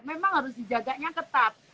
memang harus dijaganya ketat